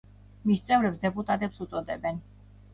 მის წევრებს დეპუტატებს უწოდებენ.